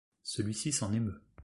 Celui-ci s'en émeut.